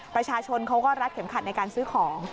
ประชาชนเขาก็รัดเข็มขัดในการซื้อของ